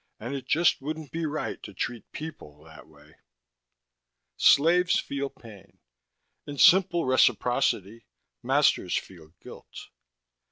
And it just wouldn't be right to treat people that way.... Slaves feel pain. In simple reciprocity, masters feel guilt.